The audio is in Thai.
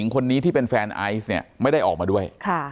คนนี้ที่เป็นแฟนไอซ์เนี่ยไม่ได้ออกมาด้วย